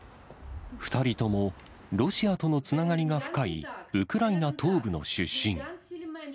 ２人ともロシアとのつながりが深い、ウクライナ東部の出身。